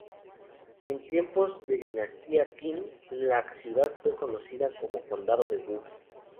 En tiempos de la dinastía Qin, la ciudad fue conocida como "condado de Wu".